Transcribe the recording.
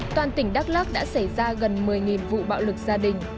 toàn tỉnh đắk lắc đã xảy ra gần một mươi vụ bạo lực gia đình